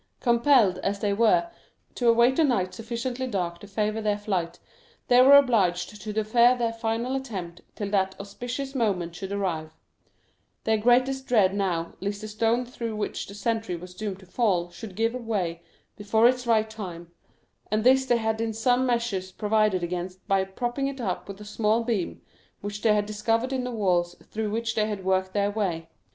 Compelled, as they were, to await a night sufficiently dark to favor their flight, they were obliged to defer their final attempt till that auspicious moment should arrive; their greatest dread now was lest the stone through which the sentry was doomed to fall should give way before its right time, and this they had in some measure provided against by propping it up with a small beam which they had discovered in the walls through which they had worked their way.